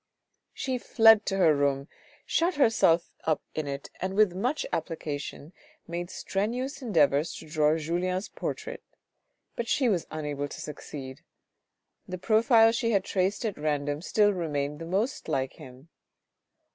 She fled to her room, shut herself up in it, and with much application made strenuous endeavours to draw Julien's portrait, but she was unable to succeed ; the profile she had traced at random still remained the most like him.